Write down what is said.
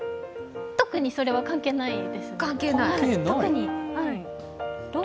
特にそれは関係ないです。